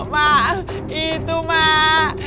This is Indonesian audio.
mak itu mak